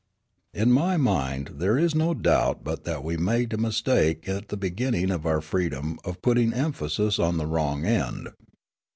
In my mind there is no doubt but that we made a mistake at the beginning of our freedom of putting the emphasis on the wrong end.